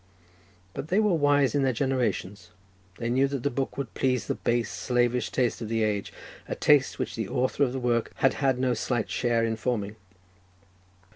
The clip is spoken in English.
But they were wise in their generation; they knew that the book would please the base, slavish taste of the age, a taste which the author of the work had had no slight share in forming.